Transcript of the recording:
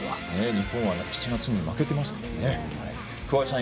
日本は７月に負けてますからね。